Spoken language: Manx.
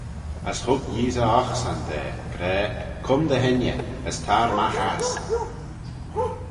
As hug Yeesey oghsan da, gra, cum dty hengey, as tar magh ass.